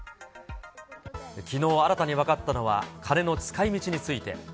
きのう、新たに分かったのは、金の使いみちについて。